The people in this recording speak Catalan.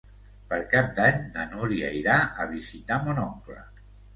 Per Cap d'Any na Núria irà a visitar mon oncle.